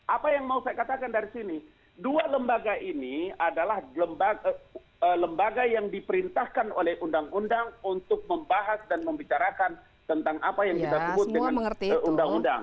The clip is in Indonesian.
apa yang mau saya katakan dari sini dua lembaga ini adalah lembaga yang diperintahkan oleh undang undang untuk membahas dan membicarakan tentang apa yang kita sebut dengan undang undang